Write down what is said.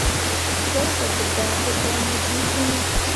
Jolɓo dǝbaadǝbaa mu ju fine.